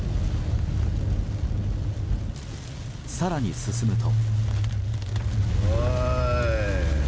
更に進むと。